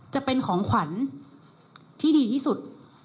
จะเป็นของขวัญที่ดีที่สุด